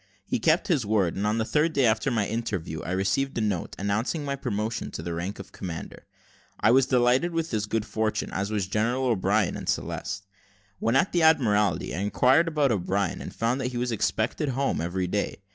He kept his word, and on the third day after my interview, I received a note, announcing my promotion to the rank of commander. I was delighted with this good fortune, as was General O'Brien and Celeste. When at the Admiralty, I inquired about O'Brien, and found that he was expected home every day.